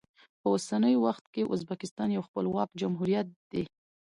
په اوسني وخت کې ازبکستان یو خپلواک جمهوریت دی.